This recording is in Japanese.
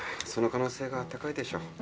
その可能性が高いでしょ。